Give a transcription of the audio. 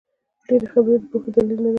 ډېري خبري د پوهي دلیل نه دئ.